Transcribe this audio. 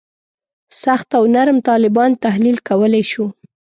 سخت او نرم طالبان تحلیل کولای شو.